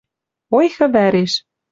Ойхы вӓреш